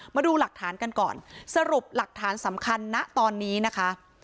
มาดูหลักฐานกันก่อนสรุปหลักฐานสำคัญนะตอนนี้นะคะ